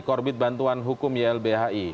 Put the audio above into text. korbit bantuan hukum ylbhi